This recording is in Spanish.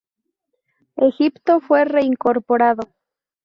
Egipto fue reincorporado.